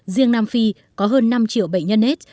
riêng nam phi có hơn năm triệu bệnh nhân s